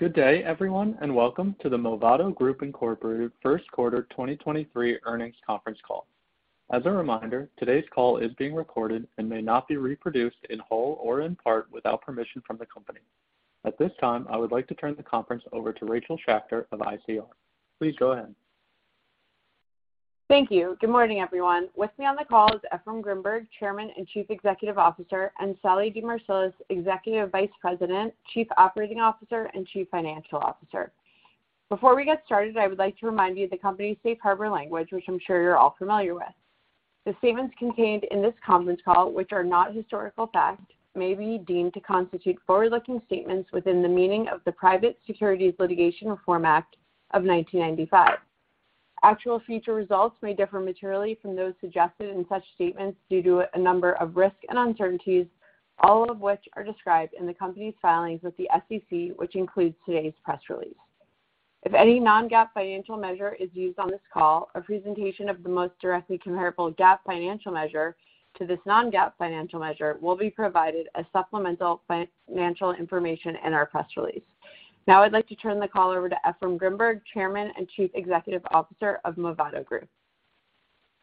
Good day, everyone, and welcome to the Movado Group, Inc. First Quarter 2023 Earnings Conference Call. As a reminder, today's call is being recorded and may not be reproduced in whole or in part without permission from the company. At this time, I would like to turn the conference over to Rachel Schacter of ICR. Please go ahead. Thank you. Good morning, everyone. With me on the call is Efraim Grinberg, Chairman and Chief Executive Officer, and Sallie DeMarsilis, Executive Vice President, Chief Operating Officer and Chief Financial Officer. Before we get started, I would like to remind you of the company's safe harbor language, which I'm sure you're all familiar with. The statements contained in this conference call, which are not historical facts, may be deemed to constitute forward-looking statements within the meaning of the Private Securities Litigation Reform Act of 1995. Actual future results may differ materially from those suggested in such statements due to a number of risks and uncertainties, all of which are described in the company's filings with the SEC, which includes today's press release. If any non-GAAP financial measure is used on this call, a presentation of the most directly comparable GAAP financial measure to this non-GAAP financial measure will be provided as supplemental financial information in our press release. Now I'd like to turn the call over to Efraim Grinberg, Chairman and Chief Executive Officer of Movado Group.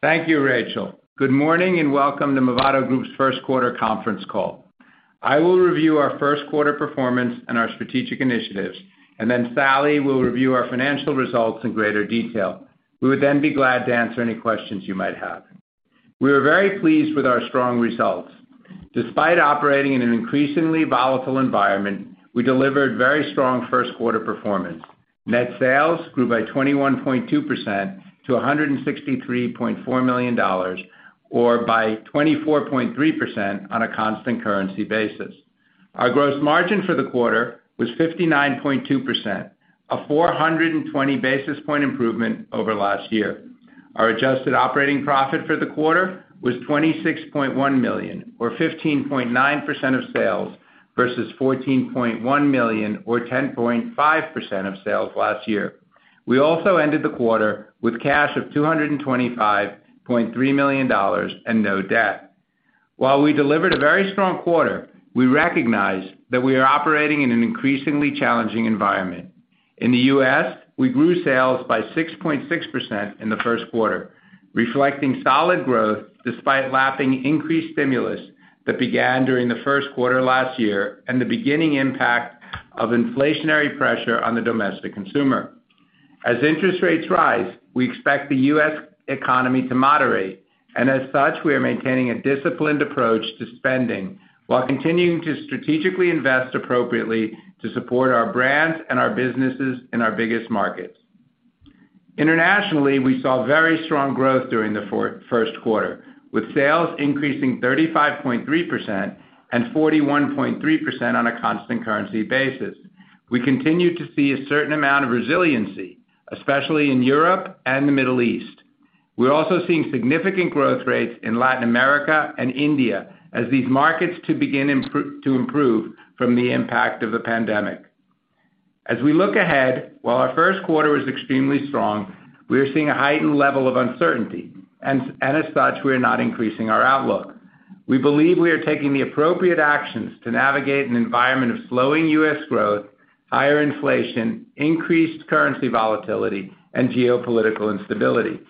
Thank you, Rachel. Good morning, and welcome to Movado Group's first quarter conference call. I will review our first quarter performance and our strategic initiatives, and then Sallie will review our financial results in greater detail. We would then be glad to answer any questions you might have. We are very pleased with our strong results. Despite operating in an increasingly volatile environment, we delivered very strong first quarter performance. Net sales grew by 21.2% to $163.4 million, or by 24.3% on a constant currency basis. Our gross margin for the quarter was 59.2%, a 420 basis point improvement over last year. Our adjusted operating profit for the quarter was $26.1 million, or 15.9% of sales versus $14.1 million or 10.5% of sales last year. We also ended the quarter with cash of $225.3 million and no debt. While we delivered a very strong quarter, we recognize that we are operating in an increasingly challenging environment. In the U.S., we grew sales by 6.6% in the first quarter, reflecting solid growth despite lapping increased stimulus that began during the first quarter last year and the beginning impact of inflationary pressure on the domestic consumer. As interest rates rise, we expect the U.S. economy to moderate, and as such, we are maintaining a disciplined approach to spending while continuing to strategically invest appropriately to support our brands and our businesses in our biggest markets. Internationally, we saw very strong growth during the first quarter, with sales increasing 35.3% and 41.3% on a constant currency basis. We continue to see a certain amount of resiliency, especially in Europe and the Middle East. We're also seeing significant growth rates in Latin America and India as these markets begin to improve from the impact of the pandemic. As we look ahead, while our first quarter was extremely strong, we are seeing a heightened level of uncertainty and as such, we are not increasing our outlook. We believe we are taking the appropriate actions to navigate an environment of slowing U.S. growth, higher inflation, increased currency volatility, and geopolitical instability.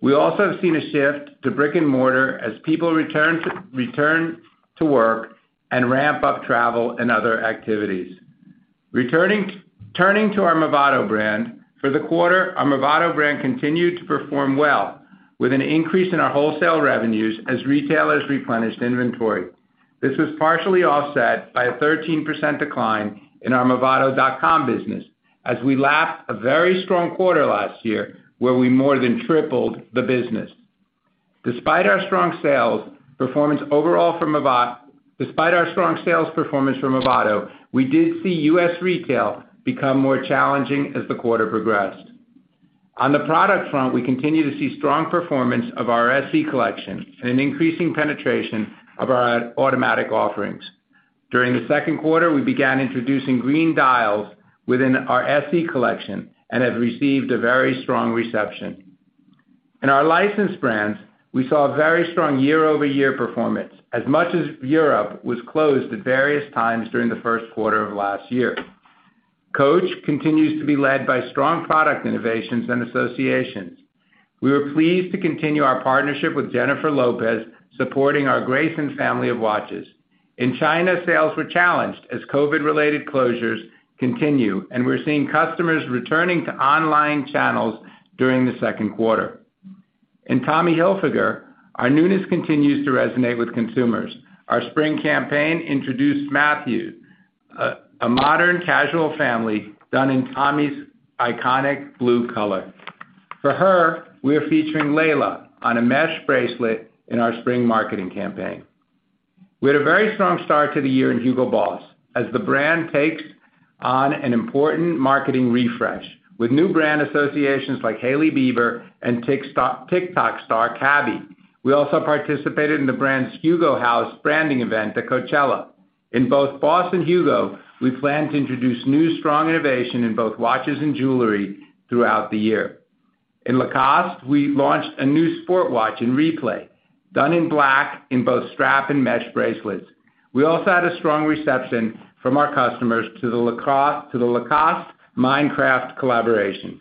We also have seen a shift to brick-and-mortar as people return to work and ramp up travel and other activities. Turning to our Movado brand, for the quarter, our Movado brand continued to perform well with an increase in our wholesale revenues as retailers replenished inventory. This was partially offset by a 13% decline in our movado.com business as we lapped a very strong quarter last year where we more than tripled the business. Despite our strong sales performance from Movado, we did see U.S. retail become more challenging as the quarter progressed. On the product front, we continue to see strong performance of our SE collection and an increasing penetration of our automatic offerings. During the second quarter, we began introducing green dials within our SE collection and have received a very strong reception. In our licensed brands, we saw a very strong year-over-year performance as much as Europe was closed at various times during the first quarter of last year. Coach continues to be led by strong product innovations and associations. We were pleased to continue our partnership with Jennifer Lopez, supporting our Greyson family of watches. In China, sales were challenged as COVID-related closures continue, and we're seeing customers returning to online channels during the second quarter. In Tommy Hilfiger, our newness continues to resonate with consumers. Our spring campaign introduced Matthew, a modern casual family done in Tommy's iconic blue color. For her, we are featuring Layla on a mesh bracelet in our spring marketing campaign. We had a very strong start to the year in HUGO BOSS as the brand takes on an important marketing refresh with new brand associations like Hailey Bieber and TikTok star Khaby. We also participated in the brand's HUGO House branding event at Coachella. In both BOSS and HUGO, we plan to introduce new strong innovation in both watches and jewelry throughout the year. In Lacoste, we launched a new sport watch in Replay, done in black in both strap and mesh bracelets. We also had a strong reception from our customers to the Lacoste x Minecraft collaboration.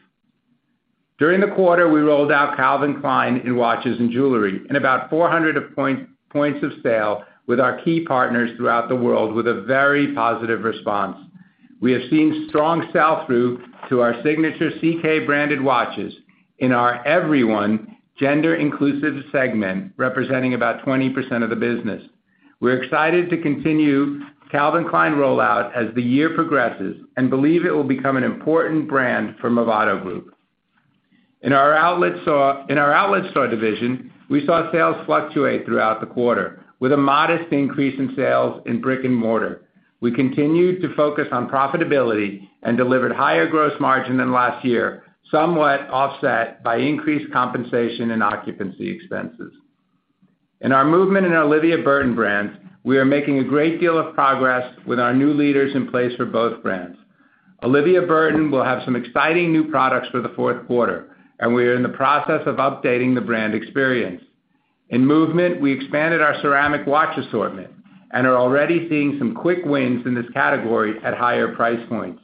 During the quarter, we rolled out Calvin Klein in watches and jewelry in about 400 points of sale with our key partners throughout the world with a very positive response. We have seen strong sell-through to our signature CK branded watches in our everyone gender-inclusive segment, representing about 20% of the business. We're excited to continue Calvin Klein rollout as the year progresses and believe it will become an important brand for Movado Group. In our outlet store, in our outlet store division, we saw sales fluctuate throughout the quarter, with a modest increase in sales in brick and mortar. We continued to focus on profitability and delivered higher gross margin than last year, somewhat offset by increased compensation and occupancy expenses. In our MVMT and Olivia Burton brands, we are making a great deal of progress with our new leaders in place for both brands. Olivia Burton will have some exciting new products for the fourth quarter, and we are in the process of updating the brand experience. In MVMT, we expanded our ceramic watch assortment and are already seeing some quick wins in this category at higher price points.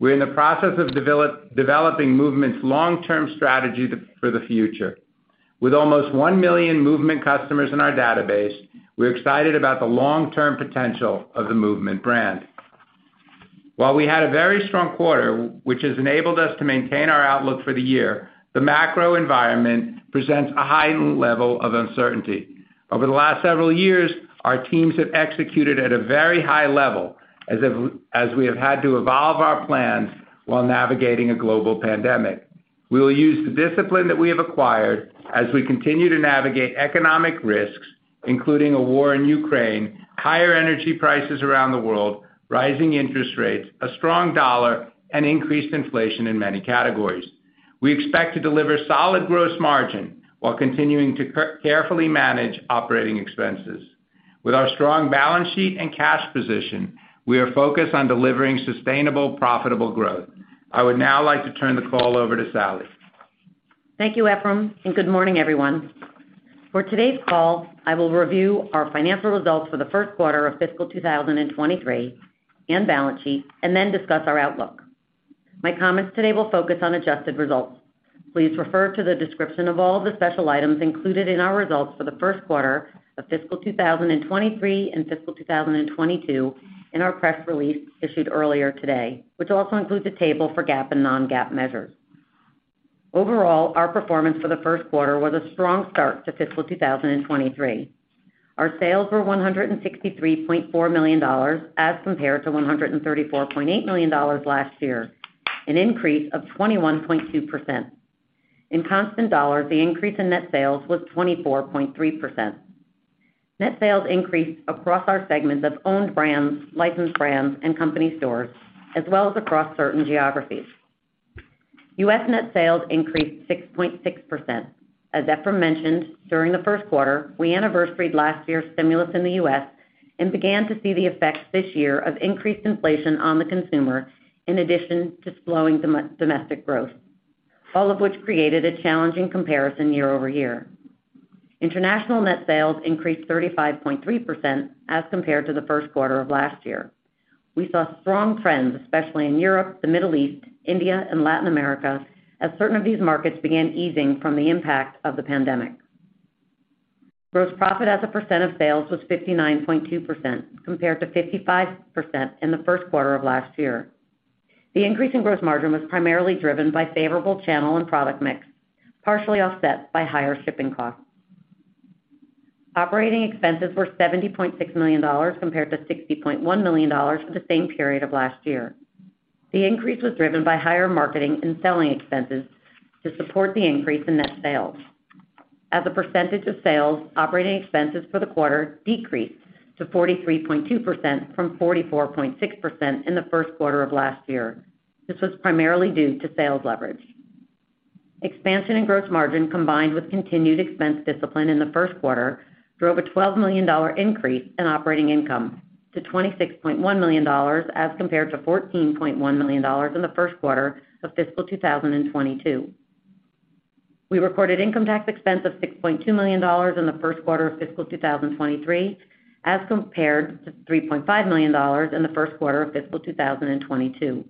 We're in the process of developing MVMT's long-term strategy for the future. With almost 1 million MVMT customers in our database, we're excited about the long-term potential of the MVMT brand. While we had a very strong quarter, which has enabled us to maintain our outlook for the year, the macro environment presents a heightened level of uncertainty. Over the last several years, our teams have executed at a very high level as we have had to evolve our plans while navigating a global pandemic. We will use the discipline that we have acquired as we continue to navigate economic risks, including a war in Ukraine, higher energy prices around the world, rising interest rates, a strong dollar, and increased inflation in many categories. We expect to deliver solid gross margin while continuing to carefully manage operating expenses. With our strong balance sheet and cash position, we are focused on delivering sustainable, profitable growth. I would now like to turn the call over to Sallie. Thank you, Efraim, and good morning, everyone. For today's call, I will review our financial results for the first quarter of fiscal 2023 and balance sheet, and then discuss our outlook. My comments today will focus on adjusted results. Please refer to the description of all the special items included in our results for the first quarter of fiscal 2023 and fiscal 2022 in our press release issued earlier today, which also includes a table for GAAP and non-GAAP measures. Overall, our performance for the first quarter was a strong start to fiscal 2023. Our sales were $163.4 million as compared to $134.8 million last year, an increase of 21.2%. In constant dollars, the increase in net sales was 24.3%. Net sales increased across our segments of Owned Brands, Licensed Brands, and Company Stores, as well as across certain geographies. U.S. net sales increased 6.6%. As Efraim mentioned, during the first quarter, we anniversaried last year's stimulus in the U.S. and began to see the effects this year of increased inflation on the consumer in addition to slowing domestic growth, all of which created a challenging comparison year-over-year. International net sales increased 35.3% as compared to the first quarter of last year. We saw strong trends, especially in Europe, the Middle East, India, and Latin America, as certain of these markets began easing from the impact of the pandemic. Gross profit as a percent of sales was 59.2%, compared to 55% in the first quarter of last year. The increase in gross margin was primarily driven by favorable channel and product mix, partially offset by higher shipping costs. Operating expenses were $70.6 million compared to $60.1 million for the same period of last year. The increase was driven by higher marketing and selling expenses to support the increase in net sales. As a percentage of sales, operating expenses for the quarter decreased to 43.2% from 44.6% in the first quarter of last year. This was primarily due to sales leverage. Expansion in gross margin, combined with continued expense discipline in the first quarter, drove a $12 million increase in operating income to $26.1 million as compared to $14.1 million in the first quarter of fiscal 2022. We recorded income tax expense of $6.2 million in the first quarter of fiscal 2023 as compared to $3.5 million in the first quarter of fiscal 2022.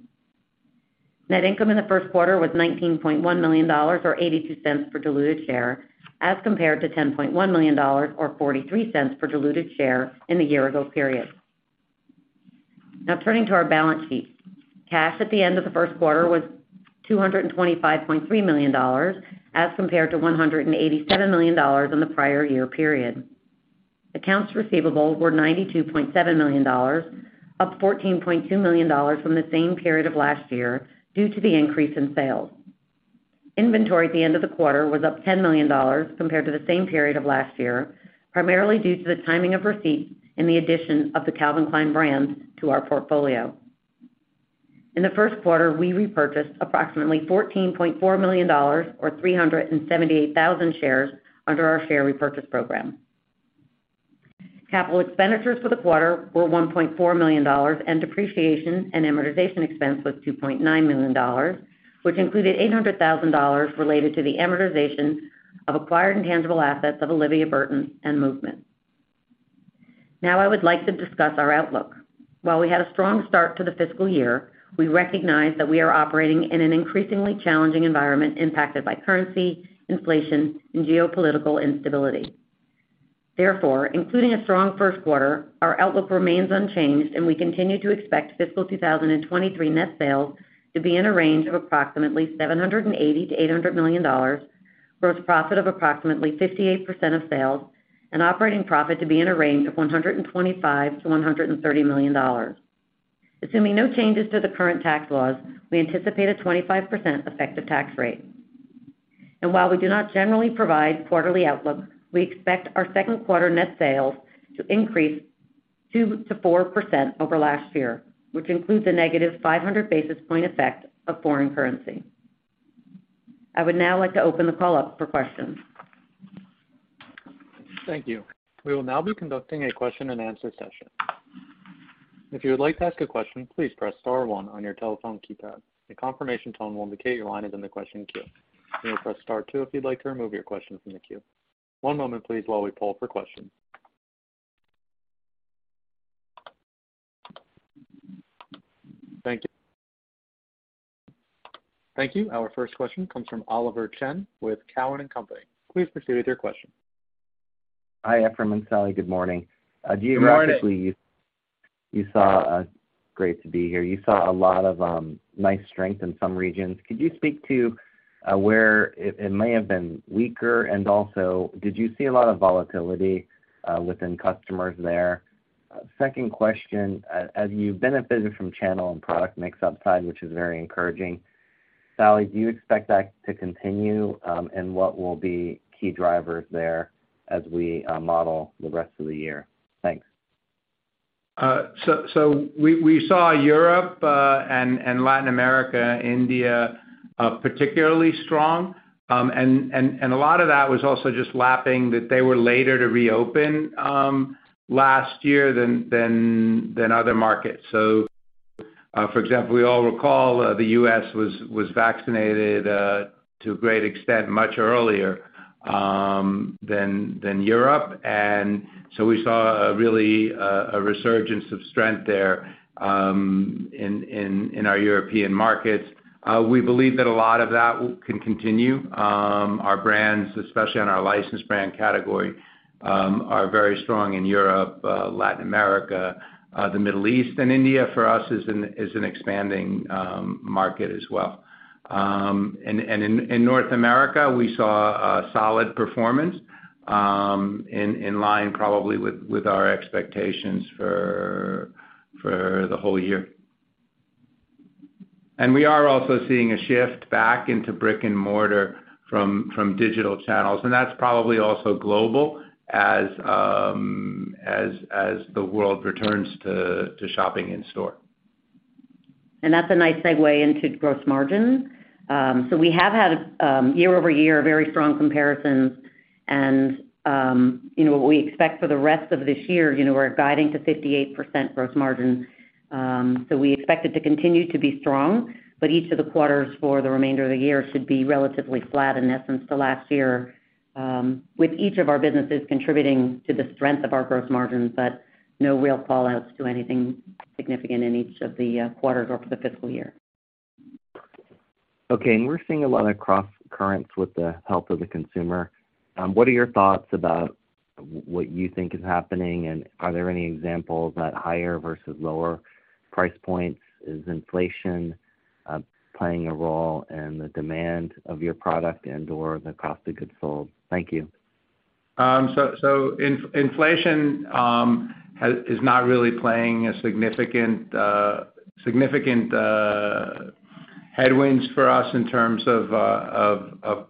Net income in the first quarter was $19.1 million, or $0.82 per diluted share, as compared to $10.1 million or $0.43 per diluted share in the year-ago period. Now turning to our balance sheet. Cash at the end of the first quarter was $225.3 million as compared to $187 million in the prior year period. Accounts receivable were $92.7 million, up $14.2 million from the same period of last year due to the increase in sales. Inventory at the end of the quarter was up $10 million compared to the same period of last year, primarily due to the timing of receipts and the addition of the Calvin Klein brands to our portfolio. In the first quarter, we repurchased approximately $14.4 million or 378,000 shares under our share repurchase program. Capital expenditures for the quarter were $1.4 million, and depreciation and amortization expense was $2.9 million, which included $800,000 related to the amortization of acquired intangible assets of Olivia Burton and MVMT. Now I would like to discuss our outlook. While we had a strong start to the fiscal year, we recognize that we are operating in an increasingly challenging environment impacted by currency, inflation, and geopolitical instability. Therefore, including a strong first quarter, our outlook remains unchanged, and we continue to expect fiscal 2023 net sales to be in a range of approximately $780 million-$800 million, gross profit of approximately 58% of sales, and operating profit to be in a range of $125 million-$130 million. Assuming no changes to the current tax laws, we anticipate a 25% effective tax rate. While we do not generally provide quarterly outlook, we expect our second quarter net sales to increase 2%-4% over last year, which includes a -500 basis point effect of foreign currency. I would now like to open the call up for questions. Thank you. We will now be conducting a question-and-answer session. If you would like to ask a question, please press star one on your telephone keypad. A confirmation tone will indicate your line is in the question queue. You may press star two if you'd like to remove your question from the queue. One moment, please, while we poll for questions. Thank you. Thank you. Our first question comes from Oliver Chen with Cowen and Company. Please proceed with your question. Hi, Efraim and Sallie. Good morning. Good morning. Great to be here. You saw a lot of nice strength in some regions. Could you speak to where it may have been weaker? Also, did you see a lot of volatility within customers there? Second question, as you benefited from channel and product mix upside, which is very encouraging, Sallie, do you expect that to continue? What will be key drivers there as we model the rest of the year? Thanks. We saw Europe and Latin America, India particularly strong. A lot of that was also just lapping that they were later to reopen last year than other markets. For example, we all recall the U.S. was vaccinated to a great extent much earlier than Europe. We saw a real resurgence of strength there in our European markets. We believe that a lot of that can continue. Our brands, especially on our licensed brand category, are very strong in Europe, Latin America. The Middle East and India for us is an expanding market as well. In North America, we saw a solid performance in line probably with our expectations for the whole year. We are also seeing a shift back into brick-and-mortar from digital channels, and that's probably also global as the world returns to shopping in store. That's a nice segue into gross margin. So we have had year-over-year very strong comparisons. You know, what we expect for the rest of this year, you know, we're guiding to 58% gross margin. So we expect it to continue to be strong, but each of the quarters for the remainder of the year should be relatively flat in essence to last year, with each of our businesses contributing to the strength of our gross margins, but no real fallouts to anything significant in each of the quarters or for the fiscal year. Okay. We're seeing a lot of cross currents with the health of the consumer. What are your thoughts about what you think is happening? Are there any examples about higher versus lower price points? Is inflation playing a role in the demand of your product and/or the cost of goods sold? Thank you. Inflation is not really playing a significant headwinds for us in terms of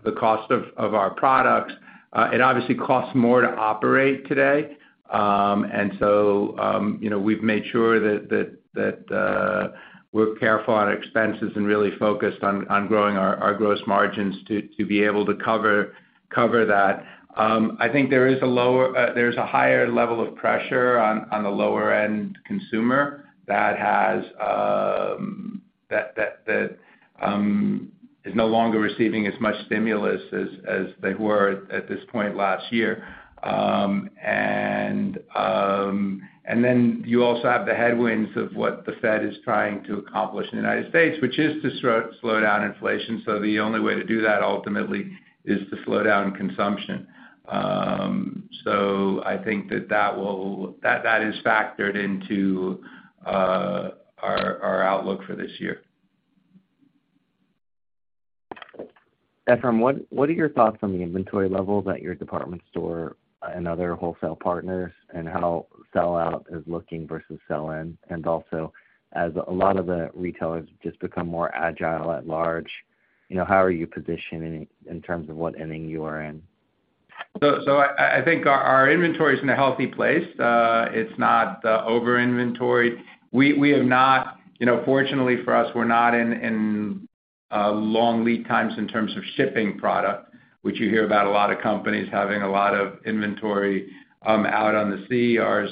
the cost of our products. It obviously costs more to operate today. You know, we've made sure that we're careful on expenses and really focused on growing our gross margins to be able to cover that. I think there's a higher level of pressure on the lower-end consumer that has that is no longer receiving as much stimulus as they were at this point last year. You also have the headwinds of what the Fed is trying to accomplish in the United States, which is to slow down inflation. The only way to do that ultimately is to slow down consumption. I think that is factored into our outlook for this year. Efraim, what are your thoughts on the inventory levels at your department store and other wholesale partners and how sell out is looking versus sell in? Also as a lot of the retailers just become more agile at large, you know, how are you positioning in terms of what inning you are in? I think our inventory is in a healthy place. It's not over-inventoried. We have not. You know, fortunately for us, we're not in long lead times in terms of shipping product, which you hear about a lot of companies having a lot of inventory out on the sea. Ours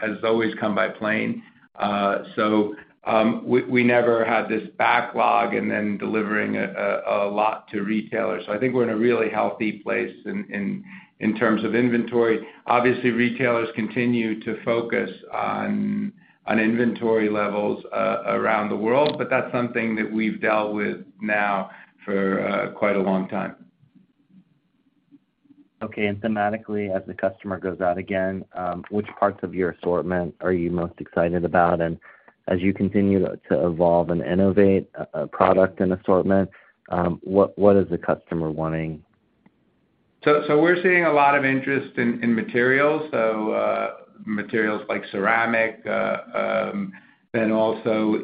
has always come by plane. We never had this backlog and then delivering a lot to retailers. I think we're in a really healthy place in terms of inventory. Obviously, retailers continue to focus on inventory levels around the world, but that's something that we've dealt with now for quite a long time. Okay. Thematically, as the customer goes out again, which parts of your assortment are you most excited about? As you continue to evolve and innovate product and assortment, what is the customer wanting? We're seeing a lot of interest in materials like ceramic, and also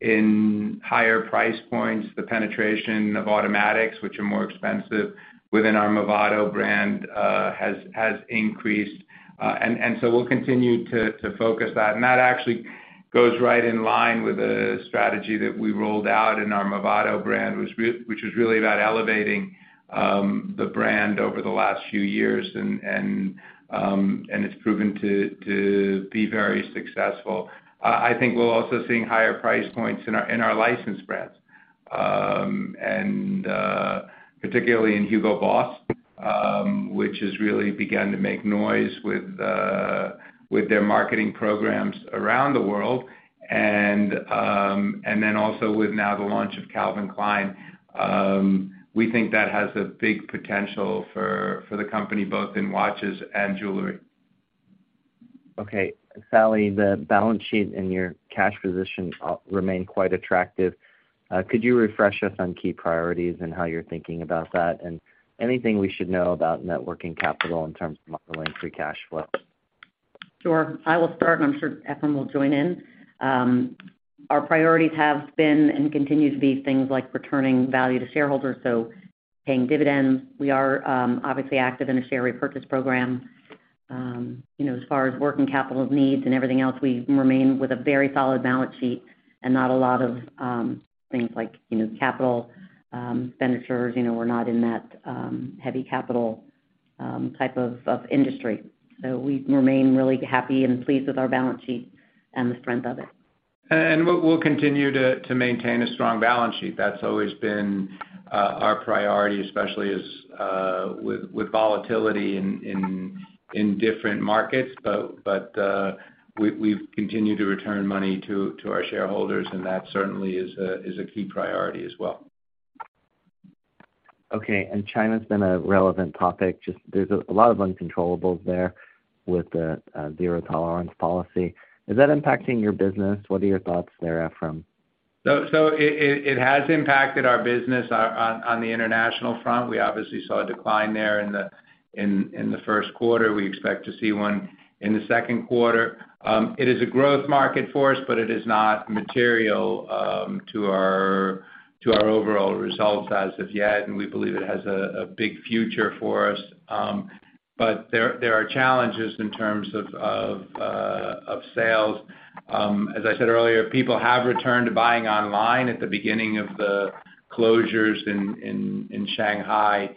in higher price points, the penetration of automatics, which are more expensive within our Movado brand, has increased. We'll continue to focus that. That actually goes right in line with the strategy that we rolled out in our Movado brand, which was really about elevating the brand over the last few years. It's proven to be very successful. I think we're also seeing higher price points in our licensed brands, particularly in HUGO BOSS, which has really begun to make noise with their marketing programs around the world. Also with now the launch of Calvin Klein, we think that has a big potential for the company, both in watches and jewelry. Okay. Sallie, the balance sheet and your cash position remain quite attractive. Could you refresh us on key priorities and how you're thinking about that? Anything we should know about net working capital in terms of modeling free cash flow? Sure. I will start, and I'm sure Efraim will join in. Our priorities have been and continue to be things like returning value to shareholders, so paying dividends. We are, obviously active in a share repurchase program. You know, as far as working capital needs and everything else, we remain with a very solid balance sheet and not a lot of, things like, you know, capital, expenditures. You know, we're not in that, heavy capital, type of industry. We remain really happy and pleased with our balance sheet and the strength of it. We'll continue to maintain a strong balance sheet. That's always been our priority, especially as with volatility in different markets. We've continued to return money to our shareholders, and that certainly is a key priority as well. Okay. China's been a relevant topic. Just there's a lot of uncontrollables there with the zero-tolerance policy. Is that impacting your business? What are your thoughts there, Efraim? It has impacted our business on the international front. We obviously saw a decline there in the first quarter. We expect to see one in the second quarter. It is a growth market for us, but it is not material to our overall results as of yet, and we believe it has a big future for us. There are challenges in terms of sales. As I said earlier, people have returned to buying online at the beginning of the closures in Shanghai.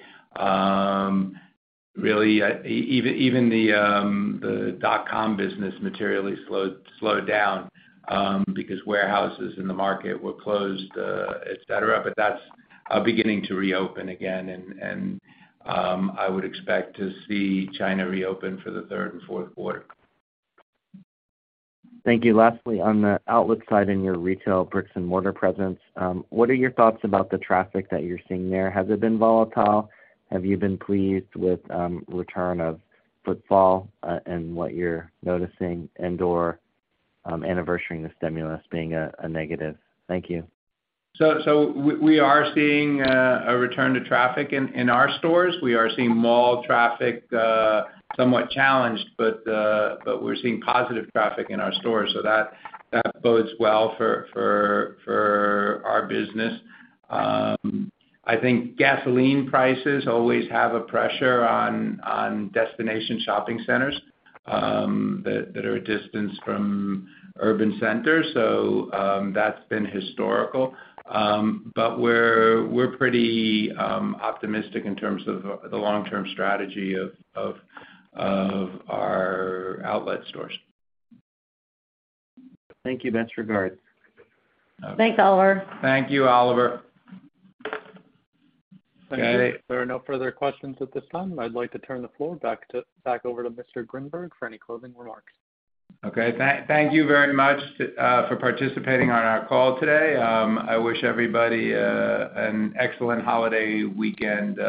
Really, even the dot-com business materially slowed down because warehouses in the market were closed, et cetera. That's beginning to reopen again and I would expect to see China reopen for the third and fourth quarter. Thank you. Lastly, on the outlet side, in your retail brick and mortar presence, what are your thoughts about the traffic that you're seeing there? Has it been volatile? Have you been pleased with return of foot traffic, and what you're noticing and/or, anniversarying the stimulus being a negative? Thank you. We are seeing a return to traffic in our stores. We are seeing mall traffic somewhat challenged, but we're seeing positive traffic in our stores, so that bodes well for our business. I think gasoline prices always have a pressure on destination shopping centers that are a distance from urban centers. That's been historical. But we're pretty optimistic in terms of the long-term strategy of our outlet stores. Thank you. Best regards. Thanks, Oliver. Thank you, Oliver. There are no further questions at this time. I'd like to turn the floor back over to Mr. Grinberg for any closing remarks. Okay. Thank you very much for participating on our call today. I wish everybody an excellent holiday weekend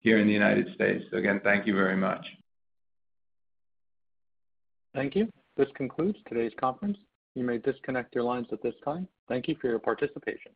here in the United States. Again, thank you very much. Thank you. This concludes today's conference. You may disconnect your lines at this time. Thank you for your participation.